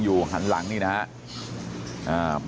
ลูกสาวหลายครั้งแล้วว่าไม่ได้คุยกับแจ๊บเลยลองฟังนะคะ